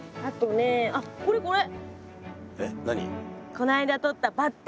この間とったバッタ。